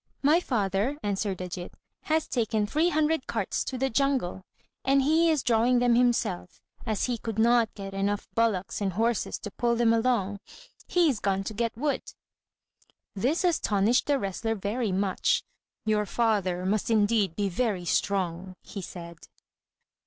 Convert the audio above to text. "My father," answered Ajít, "has taken three hundred carts to the jungle, and he is drawing them himself, as he could not get enough bullocks and horses to pull them along. He is gone to get wood." This astonished the wrestler very much. "Your father must indeed be very strong," he said.